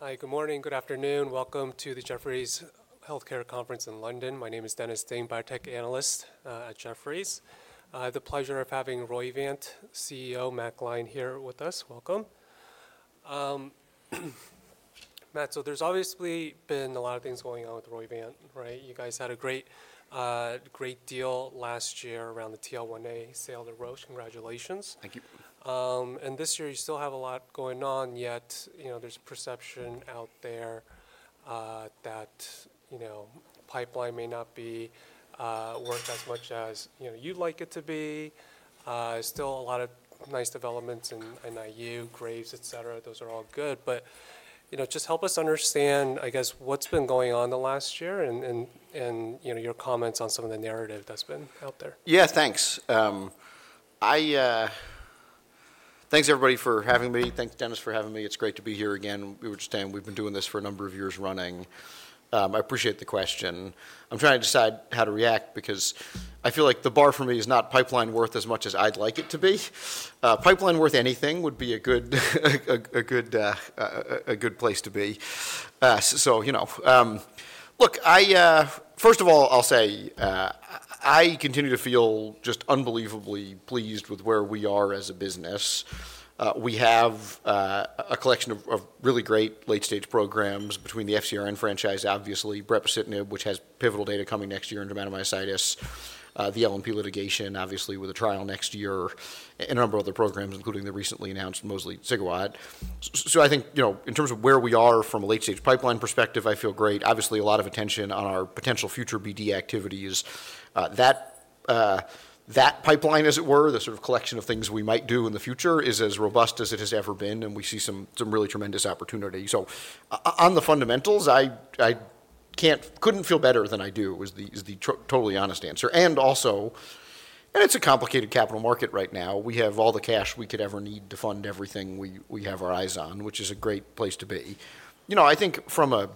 Hi, good morning, good afternoon. Welcome to the Jefferies Healthcare Conference in London. My name is Dennis Ding, biotech analyst at Jefferies. I have the pleasure of having Roivant CEO Matt Gline here with us. Welcome. Matt, so there's obviously been a lot of things going on with Roivant, right? You guys had a great deal last year around the TL-1A sale at Roche. Congratulations. Thank you. And this year you still have a lot going on, yet there's a perception out there that pipeline may not be worth as much as you'd like it to be. Still a lot of nice developments in NIU, Graves, et cetera. Those are all good. But just help us understand, I guess, what's been going on the last year and your comments on some of the narrative that's been out there. Yeah, thanks. Thanks, everybody, for having me. Thanks, Dennis, for having me. It's great to be here again. We were just saying we've been doing this for a number of years running. I appreciate the question. I'm trying to decide how to react because I feel like the bar for me is not pipeline worth as much as I'd like it to be. Pipeline worth anything would be a good place to be. So look, first of all, I'll say I continue to feel just unbelievably pleased with where we are as a business. We have a collection of really great late-stage programs between the FcRn franchise, obviously, brepocitinib, which has pivotal data coming next year in dermatomyositis, the LNP litigation, obviously, with a trial next year, and a number of other programs, including the recently announced mosliciguat. So I think in terms of where we are from a late-stage pipeline perspective, I feel great. Obviously, a lot of attention on our potential future BD activities. That pipeline, as it were, the sort of collection of things we might do in the future is as robust as it has ever been, and we see some really tremendous opportunity. So on the fundamentals, I couldn't feel better than I do is the totally honest answer. And also, it's a complicated capital market right now. We have all the cash we could ever need to fund everything we have our eyes on, which is a great place to be. I think from an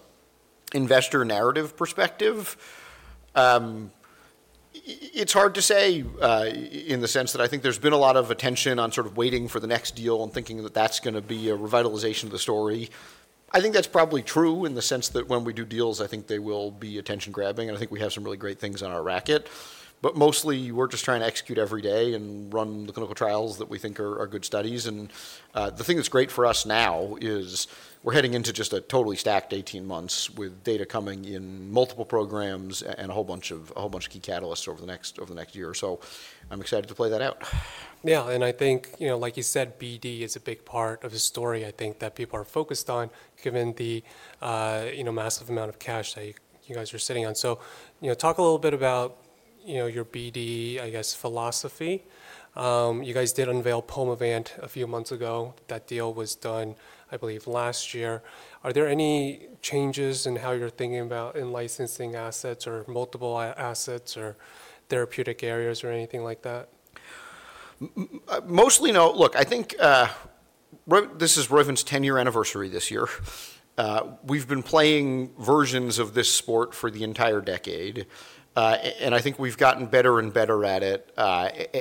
investor narrative perspective, it's hard to say in the sense that I think there's been a lot of attention on sort of waiting for the next deal and thinking that that's going to be a revitalization of the story. I think that's probably true in the sense that when we do deals, I think they will be attention-grabbing, and I think we have some really great things on our plate. But mostly, we're just trying to execute every day and run the clinical trials that we think are good studies. And the thing that's great for us now is we're heading into just a totally stacked 18 months with data coming in multiple programs and a whole bunch of key catalysts over the next year. So I'm excited to play that out. Yeah, and I think, like you said, BD is a big part of the story, I think, that people are focused on given the massive amount of cash that you guys are sitting on. So talk a little bit about your BD, I guess, philosophy. You guys did unveil Pulmovant a few months ago. That deal was done, I believe, last year. Are there any changes in how you're thinking about licensing assets or multiple assets or therapeutic areas or anything like that? Mostly, no. Look, I think this is Roivant's 10-year anniversary this year. We've been playing versions of this sport for the entire decade, and I think we've gotten better and better at it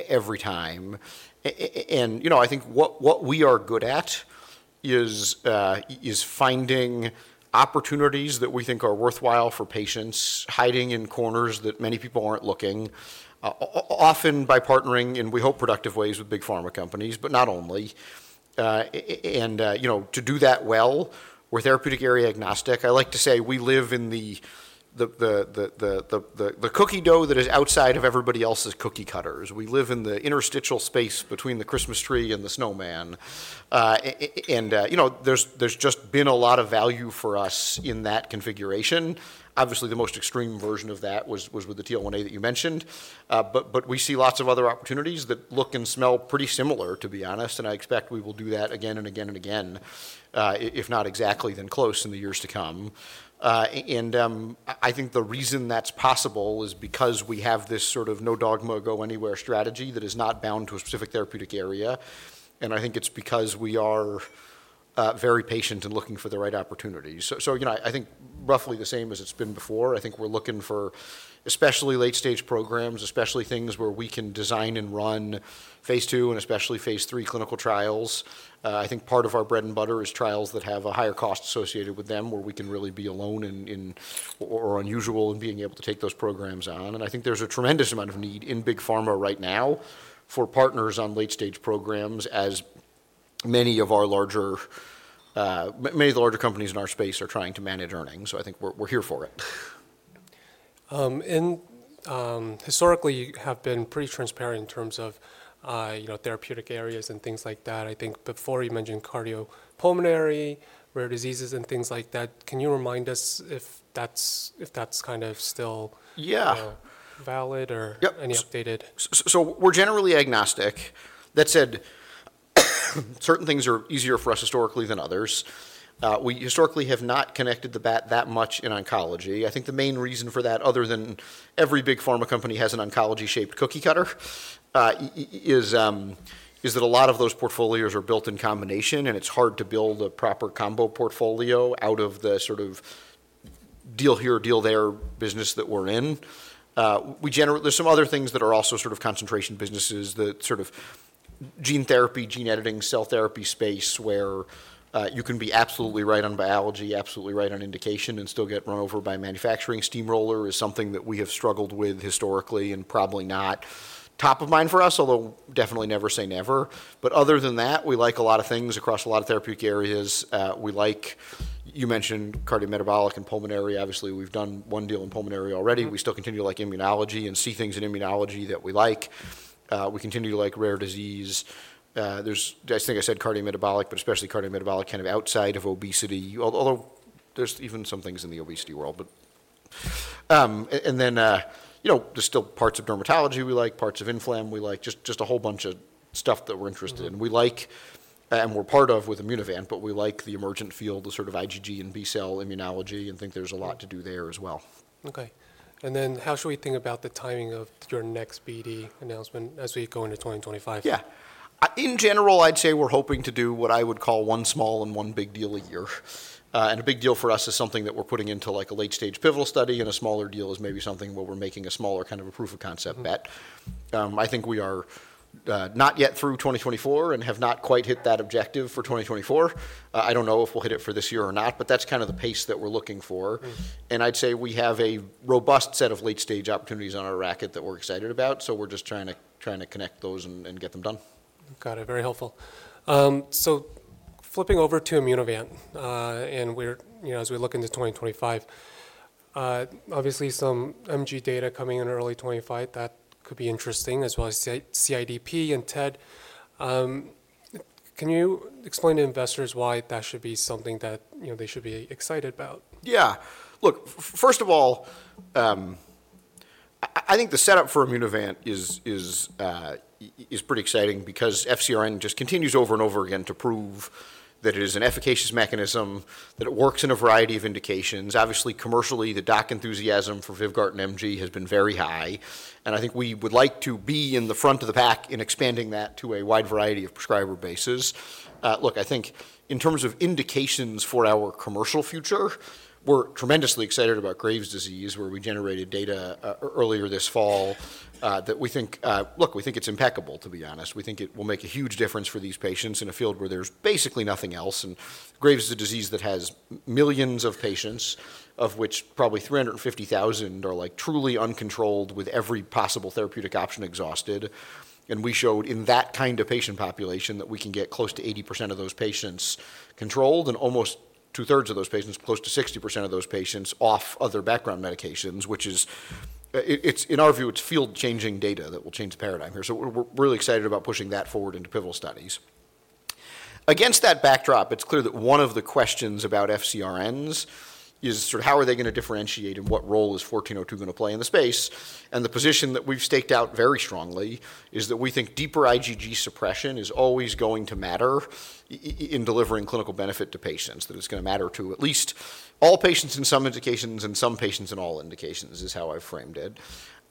every time. I think what we are good at is finding opportunities that we think are worthwhile for patients, hiding in corners that many people aren't looking, often by partnering, and we hope productive ways, with big pharma companies, but not only. To do that well, we're therapeutic area agnostic. I like to say we live in the cookie dough that is outside of everybody else's cookie cutters. We live in the interstitial space between the Christmas tree and the snowman. There's just been a lot of value for us in that configuration. Obviously, the most extreme version of that was with the TL-1A that you mentioned. But we see lots of other opportunities that look and smell pretty similar, to be honest, and I expect we will do that again and again and again, if not exactly, then close in the years to come. And I think the reason that's possible is because we have this sort of no dogma go-anywhere strategy that is not bound to a specific therapeutic area. And I think it's because we are very patient in looking for the right opportunities. So I think roughly the same as it's been before. I think we're looking for especially late-stage programs, especially things where we can design and run phase II and especially phase III clinical trials. I think part of our bread and butter is trials that have a higher cost associated with them where we can really be alone or unusual in being able to take those programs on. I think there's a tremendous amount of need in big pharma right now for partners on late-stage programs as many of the larger companies in our space are trying to manage earnings. I think we're here for it. Historically, you have been pretty transparent in terms of therapeutic areas and things like that. I think before you mentioned cardiopulmonary, rare diseases, and things like that. Can you remind us if that's kind of still valid or any updated? We're generally agnostic. That said, certain things are easier for us historically than others. We historically have not connected the bat that much in oncology. I think the main reason for that, other than every big pharma company has an oncology-shaped cookie cutter, is that a lot of those portfolios are built in combination, and it's hard to build a proper combo portfolio out of the sort of deal here or deal there business that we're in. There's some other things that are also sort of concentration businesses that sort of gene therapy, gene editing, cell therapy space where you can be absolutely right on biology, absolutely right on indication, and still get run over by manufacturing steamroller is something that we have struggled with historically and probably not top of mind for us, although definitely never say never. But other than that, we like a lot of things across a lot of therapeutic areas. You mentioned cardiometabolic and pulmonary. Obviously, we've done one deal in pulmonary already. We still continue to like immunology and see things in immunology that we like. We continue to like rare disease. I think I said cardiometabolic, but especially cardiometabolic kind of outside of obesity, although there's even some things in the obesity world. And then there's still parts of dermatology we like, parts of inflam we like, just a whole bunch of stuff that we're interested in. We like, and we're part of with Immunovant, but we like the emergent field, the sort of IgG and B cell immunology, and think there's a lot to do there as well. Okay. And then how should we think about the timing of your next BD announcement as we go into 2025? Yeah. In general, I'd say we're hoping to do what I would call one small and one big deal a year. And a big deal for us is something that we're putting into like a late-stage pivotal study, and a smaller deal is maybe something where we're making a smaller kind of a proof of concept bet. I think we are not yet through 2024 and have not quite hit that objective for 2024. I don't know if we'll hit it for this year or not, but that's kind of the pace that we're looking for. And I'd say we have a robust set of late-stage opportunities on our radar that we're excited about. So we're just trying to connect those and get them done. Got it. Very helpful. So flipping over to Immunovant and as we look into 2025, obviously some MG data coming in early 2025 that could be interesting as well as CIDP and TED. Can you explain to investors why that should be something that they should be excited about? Yeah. Look, first of all, I think the setup for Immunovant is pretty exciting because FcRn just continues over and over again to prove that it is an efficacious mechanism, that it works in a variety of indications. Obviously, commercially, the doc enthusiasm for Vyvgart and MG has been very high. And I think we would like to be in the front of the pack in expanding that to a wide variety of prescriber bases. Look, I think in terms of indications for our commercial future, we're tremendously excited about Graves' disease where we generated data earlier this fall that we think, look, we think it's impeccable, to be honest. We think it will make a huge difference for these patients in a field where there's basically nothing else. Graves' is a disease that has millions of patients, of which probably 350,000 are truly uncontrolled with every possible therapeutic option exhausted. We showed in that kind of patient population that we can get close to 80% of those patients controlled and almost two-thirds of those patients, close to 60% of those patients off other background medications, which is, in our view, it's field-changing data that will change the paradigm here. We're really excited about pushing that forward into pivotal studies. Against that backdrop, it's clear that one of the questions about FcRns is sort of how are they going to differentiate and what role is 1402 going to play in the space. And the position that we've staked out very strongly is that we think deeper IgG suppression is always going to matter in delivering clinical benefit to patients, that it's going to matter to at least all patients in some indications and some patients in all indications is how I've framed it.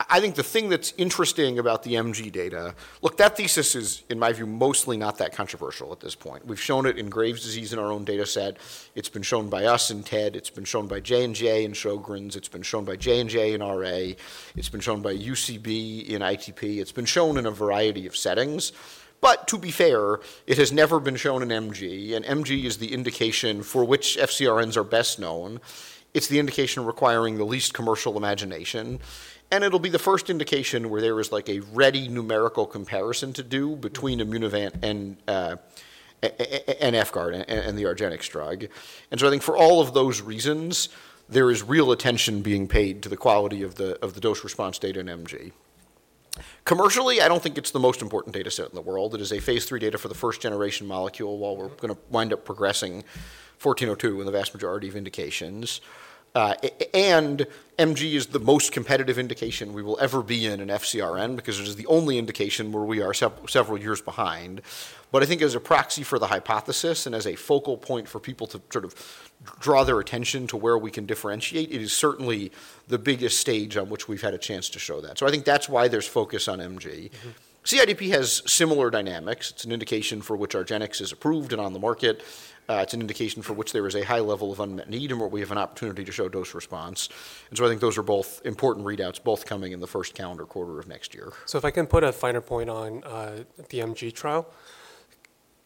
I think the thing that's interesting about the MG data, look, that thesis is, in my view, mostly not that controversial at this point. We've shown it in Graves' disease in our own data set. It's been shown by us in TED. It's been shown by J&J in Sjögren's. It's been shown by J&J in RA. It's been shown by UCB in ITP. It's been shown in a variety of settings. But to be fair, it has never been shown in MG. And MG is the indication for which FcRns are best known. It's the indication requiring the least commercial imagination. And it'll be the first indication where there is like a ready numerical comparison to do between Immunovant and Vyvgart and the argenx drug. And so I think for all of those reasons, there is real attention being paid to the quality of the dose response data in MG. Commercially, I don't think it's the most important data set in the world. It is a phase III data for the first-generation molecule while we're going to wind up progressing 1402 in the vast majority of indications. And MG is the most competitive indication we will ever be in an FcRn because it is the only indication where we are several years behind. But I think as a proxy for the hypothesis and as a focal point for people to sort of draw their attention to where we can differentiate, it is certainly the biggest stage on which we've had a chance to show that. So I think that's why there's focus on MG. CIDP has similar dynamics. It's an indication for which argenx is approved and on the market. It's an indication for which there is a high level of unmet need and where we have an opportunity to show dose response. And so I think those are both important readouts, both coming in the first calendar quarter of next year. So if I can put a finer point on the MG trial,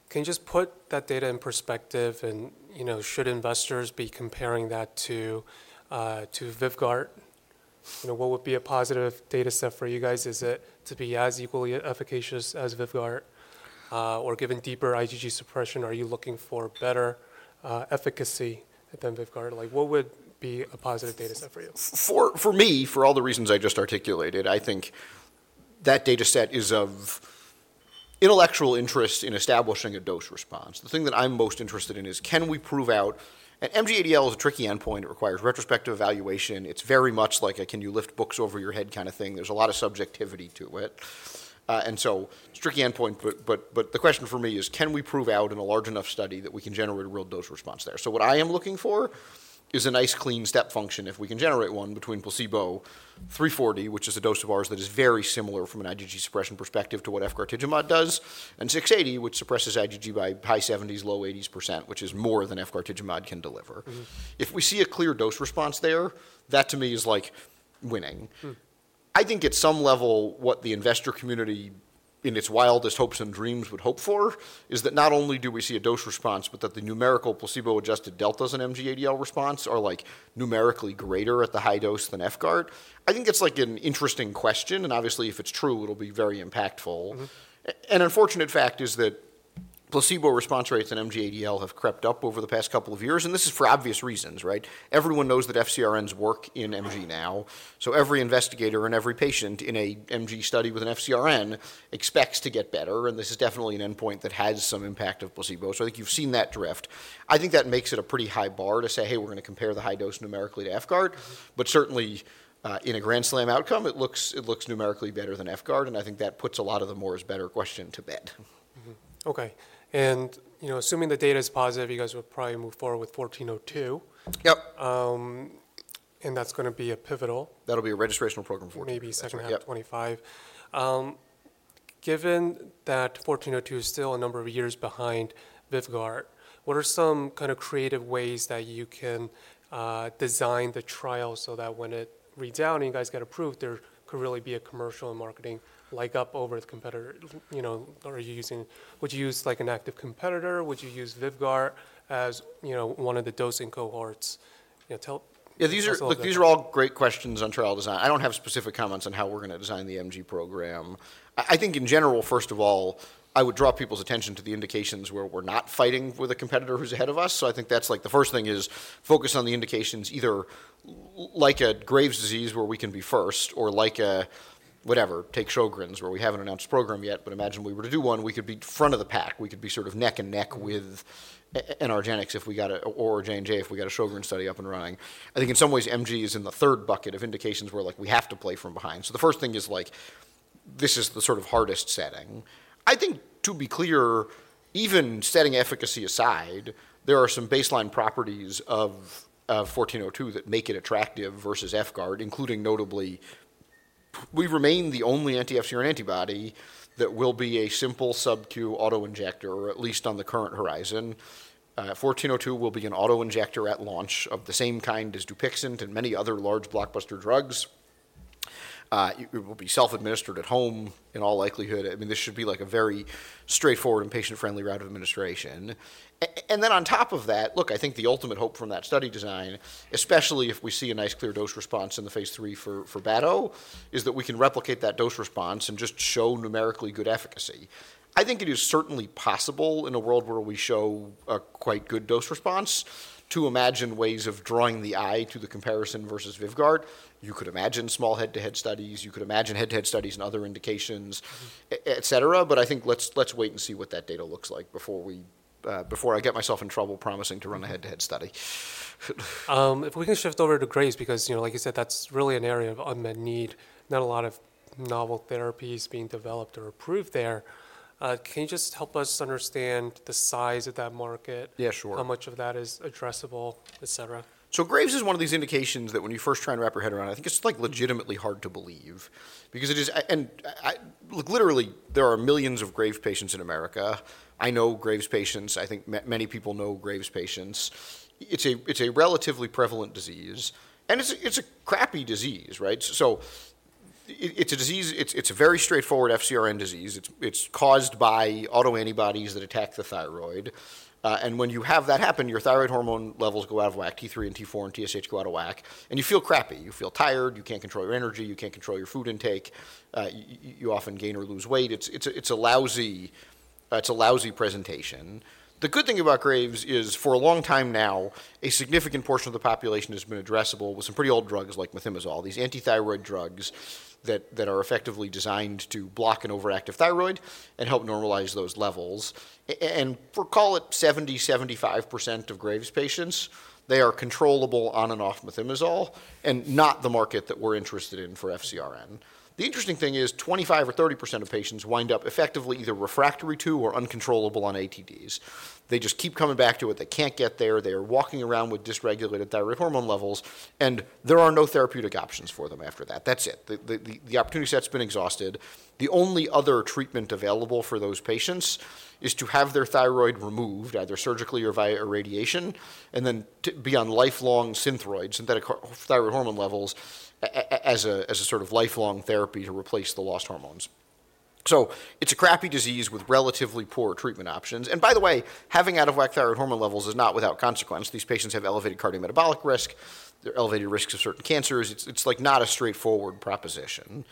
can you just put that data in perspective and should investors be comparing that to Vyvgart? What would be a positive data set for you guys? Is it to be as equally efficacious as Vyvgart or given deeper IgG suppression, are you looking for better efficacy than Vyvgart? What would be a positive data set for you? For me, for all the reasons I just articulated, I think that data set is of intellectual interest in establishing a dose response. The thing that I'm most interested in is, can we prove out, and MG-ADL is a tricky endpoint. It requires retrospective evaluation. It's very much like a can you lift books over your head kind of thing. There's a lot of subjectivity to it, and so it's a tricky endpoint, but the question for me is, can we prove out in a large enough study that we can generate a real dose response there? What I am looking for is a nice clean step function if we can generate one between placebo 340, which is a dose of ours that is very similar from an IgG suppression perspective to what efgartigimod does, and 680, which suppresses IgG by high 70s-low 80s %, which is more than efgartigimod can deliver. If we see a clear dose response there, that to me is like winning. I think at some level what the investor community in its wildest hopes and dreams would hope for is that not only do we see a dose response, but that the numerical placebo-adjusted deltas in MG ADL response are like numerically greater at the high dose than Effgard. I think it's like an interesting question. Obviously, if it's true, it'll be very impactful. An unfortunate fact is that placebo response rates in MG-ADL have crept up over the past couple of years. And this is for obvious reasons, right? Everyone knows that FcRns work in MG now. So every investigator and every patient in an MG study with an FcRn expects to get better. And this is definitely an endpoint that has some impact of placebo. So I think you've seen that drift. I think that makes it a pretty high bar to say, hey, we're going to compare the high dose numerically to Vyvgart. But certainly in a grand slam outcome, it looks numerically better than Vyvgart. And I think that puts a lot of the more is better question to bed. Okay. And assuming the data is positive, you guys will probably move forward with 1402. Yep. That's going to be a pivotal. That'll be a registration program for it. Maybe second half 2025. Given that 1402 is still a number of years behind Vyvgart, what are some kind of creative ways that you can design the trial so that when it reads out and you guys get approved, there could really be a commercial and marketing leg up over the competitor? Would you use like an active competitor? Would you use Vyvgart as one of the dosing cohorts? Yeah, these are all great questions on trial design. I don't have specific comments on how we're going to design the MG program. I think in general, first of all, I would draw people's attention to the indications where we're not fighting with a competitor who's ahead of us. So I think that's like the first thing is focus on the indications either like a Graves' disease where we can be first or like a whatever, take Sjögren's where we haven't announced a program yet, but imagine we were to do one, we could be front of the pack. We could be sort of neck and neck with an argenx if we got or a J&J if we got a Sjögren's study up and running. I think in some ways MG is in the third bucket of indications where like we have to play from behind. So the first thing is like this is the sort of hardest setting. I think to be clear, even setting efficacy aside, there are some baseline properties of 1402 that make it attractive versus Vyvgart, including notably we remain the only anti-FcRn antibody that will be a simple sub-Q autoinjector, at least on the current horizon. 1402 will be an autoinjector at launch of the same kind as Dupixent and many other large blockbuster drugs. It will be self-administered at home in all likelihood. I mean, this should be like a very straightforward and patient-friendly route of administration. And then on top of that, look, I think the ultimate hope from that study design, especially if we see a nice clear dose response in the phase III for bato, is that we can replicate that dose response and just show numerically good efficacy. I think it is certainly possible in a world where we show a quite good dose response to imagine ways of drawing the eye to the comparison versus Vyvgart. You could imagine small head-to-head studies. You could imagine head-to-head studies and other indications, et cetera. But I think let's wait and see what that data looks like before I get myself in trouble promising to run a head-to-head study. If we can shift over to Graves because like you said, that's really an area of unmet need. Not a lot of novel therapies being developed or approved there. Can you just help us understand the size of that market? Yeah, sure. How much of that is addressable, et cetera? Graves' is one of these indications that when you first try and wrap your head around, I think it's like legitimately hard to believe because it is, and look, literally there are millions of Graves' patients in America. I know Graves' patients. I think many people know Graves' patients. It's a relatively prevalent disease. And it's a crappy disease, right? It's a disease, it's a very straightforward FcRn disease. It's caused by autoantibodies that attack the thyroid. And when you have that happen, your thyroid hormone levels go out of whack, T3 and T4 and TSH go out of whack. And you feel crappy. You feel tired. You can't control your energy. You can't control your food intake. You often gain or lose weight. It's a lousy presentation. The good thing about Graves is for a long time now, a significant portion of the population has been addressable with some pretty old drugs like methimazole, these anti-thyroid drugs that are effectively designed to block an overactive thyroid and help normalize those levels. For, call it 70%-75% of Graves patients, they are controllable on and off methimazole and not the market that we're interested in for FcRn. The interesting thing is 25% or 30% of patients wind up effectively either refractory to or uncontrollable on ATDs. They just keep coming back to it. They can't get there. They are walking around with dysregulated thyroid hormone levels. There are no therapeutic options for them after that. That's it. The opportunity set's been exhausted. The only other treatment available for those patients is to have their thyroid removed either surgically or via irradiation and then be on lifelong Synthroid, synthetic thyroid hormone levels as a sort of lifelong therapy to replace the lost hormones. It's a crappy disease with relatively poor treatment options. By the way, having out-of-whack thyroid hormone levels is not without consequence. These patients have elevated cardiometabolic risk. They have elevated risks of certain cancers. It's like not a straightforward proposition.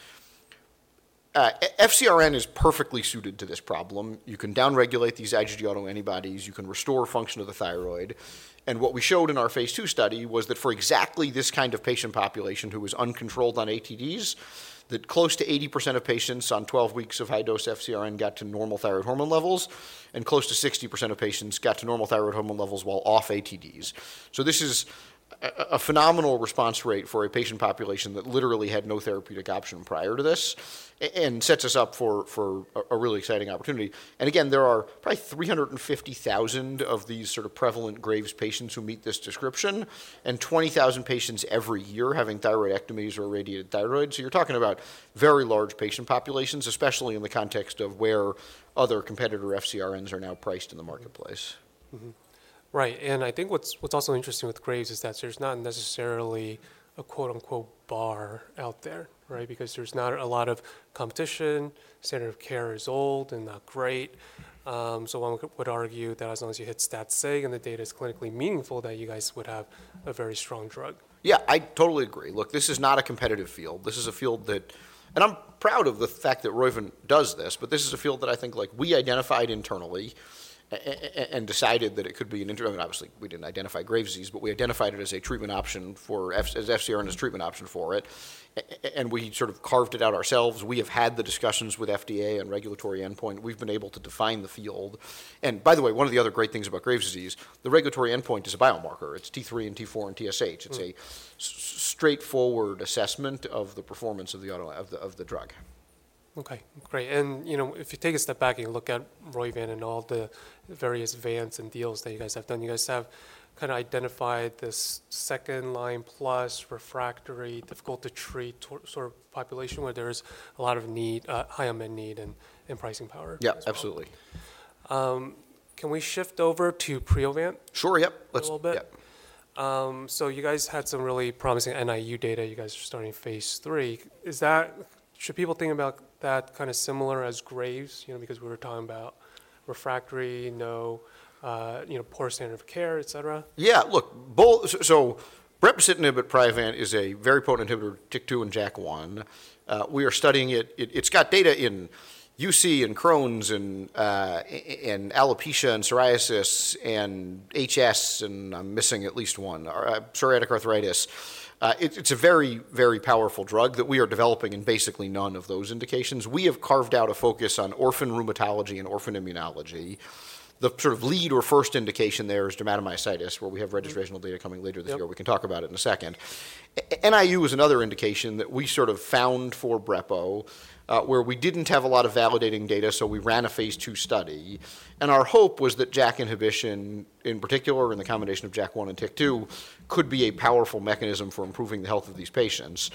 FcRn is perfectly suited to this problem. You can downregulate these IgG autoantibodies. You can restore function of the thyroid. What we showed in our phase II study was that for exactly this kind of patient population who was uncontrolled on ATDs, that close to 80% of patients on 12 weeks of high-dose FcRn got to normal thyroid hormone levels and close to 60% of patients got to normal thyroid hormone levels while off ATDs. This is a phenomenal response rate for a patient population that literally had no therapeutic option prior to this and sets us up for a really exciting opportunity. Again, there are probably 350,000 of these sort of prevalent Graves patients who meet this description and 20,000 patients every year having thyroidectomies or irradiated thyroid. You're talking about very large patient populations, especially in the context of where other competitor FcRns are now priced in the marketplace. Right. And I think what's also interesting with Graves is that there's not necessarily a quote-unquote bar out there, right? Because there's not a lot of competition. Standard of care is old and not great. So one would argue that as long as you hit stat-sig and the data is clinically meaningful, that you guys would have a very strong drug. Yeah, I totally agree. Look, this is not a competitive field. This is a field that, and I'm proud of the fact that Roivant does this, but this is a field that I think like we identified internally and decided that it could be an interim, and obviously we didn't identify Graves' disease, but we identified it as a treatment option for, as FcRn as treatment option for it, and we sort of carved it out ourselves. We have had the discussions with FDA and regulatory endpoint. We've been able to define the field, and by the way, one of the other great things about Graves' disease, the regulatory endpoint is a biomarker. It's T3 and T4 and TSH. It's a straightforward assessment of the performance of the drug. Okay, great. And if you take a step back and you look at Roivant and all the various Vants and deals that you guys have done, you guys have kind of identified this second line plus refractory, difficult to treat sort of population where there is a lot of need, high unmet need and pricing power. Yeah, absolutely. Can we shift over to Priovant? Sure, yep. A little bit. So you guys had some really promising NIU data. You guys are starting phase III. Should people think about that kind of similar as Graves? Because we were talking about refractory, no poor standard of care, et cetera. Yeah, look, so brepocitinib Priovant is a very potent inhibitor, TYK2 and JAK1. We are studying it. It's got data in UC and Crohn's and alopecia and psoriasis and HS and I'm missing at least one, psoriatic arthritis. It's a very, very powerful drug that we are developing in basically none of those indications. We have carved out a focus on orphan rheumatology and orphan immunology. The sort of lead or first indication there is dermatomyositis where we have registrational data coming later this year. We can talk about it in a second. NIU is another indication that we sort of found for Brepo where we didn't have a lot of validating data. So we ran a phase II study. Our hope was that JAK inhibition in particular and the combination of JAK1 and tick two could be a powerful mechanism for improving the health of these patients.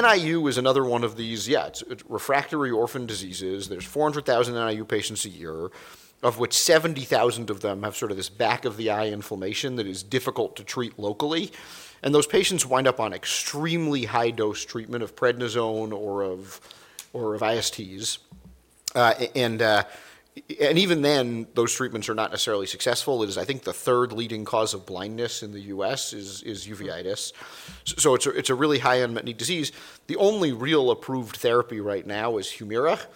NIU is another one of these, yeah. It's refractory orphan diseases. There are 400,000 NIU patients a year, of which 70,000 of them have sort of this back of the eye inflammation that is difficult to treat locally. Those patients wind up on extremely high dose treatment of prednisone or of ISTs. Even then those treatments are not necessarily successful. It is, I think, the third leading cause of blindness in the U.S. is uveitis. It's a really high unmet need disease. The only real approved therapy right now is Humira, which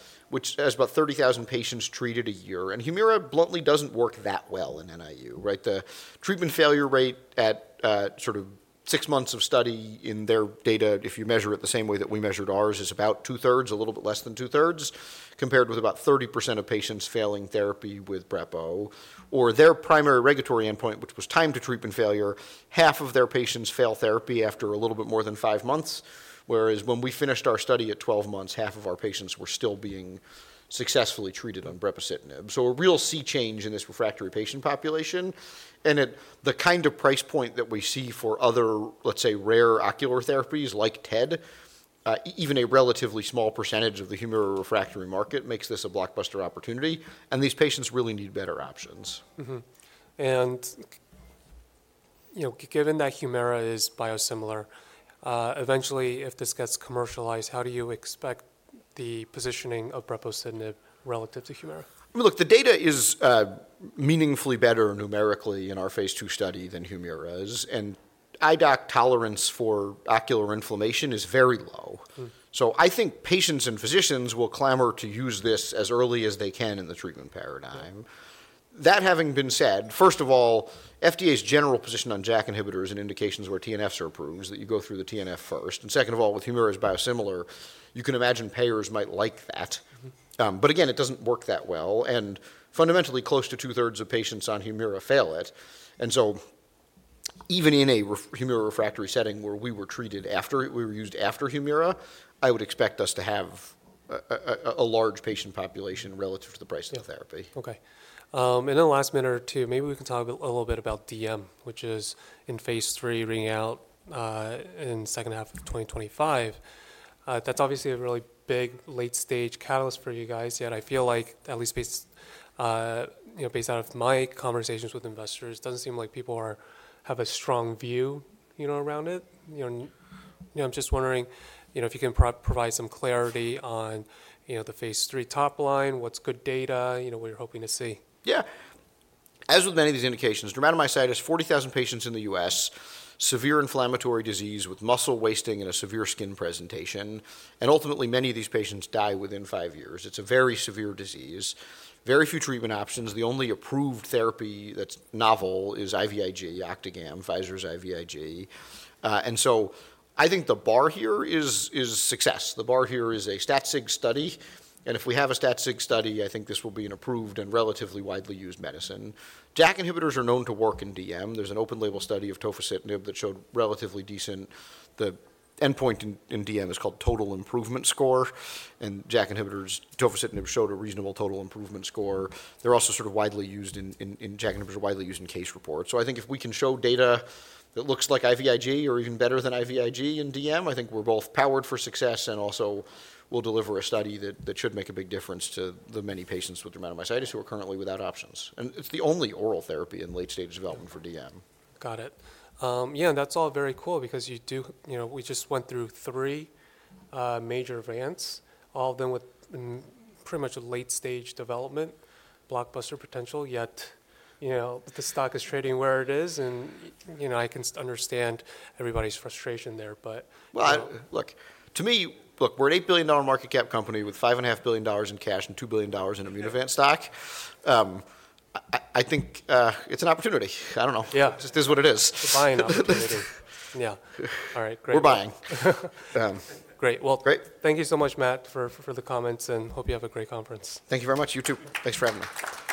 has about 30,000 patients treated a year. Humira bluntly doesn't work that well in NIU, right? The treatment failure rate at sort of six months of study in their data, if you measure it the same way that we measured ours, is about two-thirds, a little bit less than two-thirds compared with about 30% of patients failing therapy with brepocitinib or their primary regulatory endpoint, which was time to treatment failure. Half of their patients fail therapy after a little bit more than five months, whereas when we finished our study at 12 months, half of our patients were still being successfully treated on brepocitinib, so a real sea change in this refractory patient population, and the kind of price point that we see for other, let's say, rare ocular therapies like TED, even a relatively small percentage of the Humira refractory market makes this a blockbuster opportunity, and these patients really need better options. Given that Humira is biosimilar, eventually if this gets commercialized, how do you expect the positioning of brepocitinib relative to Humira? Look, the data is meaningfully better numerically in our phase II study than Humira's, and IDOC tolerance for ocular inflammation is very low, so I think patients and physicians will clamor to use this as early as they can in the treatment paradigm. That having been said, first of all, FDA's general position on JAK inhibitors and indications where TNFs are approved is that you go through the TNF first, and second of all, with Humira's biosimilar, you can imagine payers might like that, but again, it doesn't work that well, and fundamentally close to two-thirds of patients on Humira fail it, and so even in a Humira refractory setting where we were treated after it, we were used after Humira, I would expect us to have a large patient population relative to the price of the therapy. Okay. And in the last minute or two, maybe we can talk a little bit about DM, which is in phase III readout in the second half of 2025. That's obviously a really big late-stage catalyst for you guys. Yet I feel like at least based out of my conversations with investors, it doesn't seem like people have a strong view around it. I'm just wondering if you can provide some clarity on the phase III top-line, what's good data, what you're hoping to see. Yeah. As with many of these indications, dermatomyositis, 40,000 patients in the U.S., severe inflammatory disease with muscle wasting and a severe skin presentation, and ultimately many of these patients die within five years. It's a very severe disease. Very few treatment options. The only approved therapy that's novel is IVIG, Octagam, Pfizer's IVIG. So I think the bar here is success. The bar here is a stat-sig study. If we have a stat-sig study, I think this will be an approved and relatively widely used medicine. JAK inhibitors are known to work in DM. There's an open label study of tofacitinib that showed relatively decent. The endpoint in DM is called total improvement score. JAK inhibitors, tofacitinib showed a reasonable total improvement score. They're also sort of widely used. JAK inhibitors are widely used in case reports. I think if we can show data that looks like IVIG or even better than IVIG in DM, I think we're both powered for success and also will deliver a study that should make a big difference to the many patients with dermatomyositis who are currently without options, and it's the only oral therapy in late-stage development for DM. Got it. Yeah, and that's all very cool because you do, we just went through three major advances, all of them with pretty much late-stage development, blockbuster potential, yet the stock is trading where it is. And I can understand everybody's frustration there, but. Look, to me, look, we're an $8 billion market cap company with $5.5 billion in cash and $2 billion in Immunovant stock. I think it's an opportunity. I don't know. It's just, this is what it is. To buy now. Yeah. All right, great. We're buying. Great. Well, thank you so much, Matt, for the comments and hope you have a great conference. Thank you very much. You too. Thanks for having me.